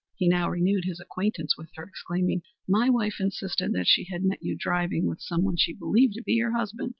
He now renewed his acquaintance with her, exclaiming "My wife insisted that she had met you driving with some one she believed to be your husband.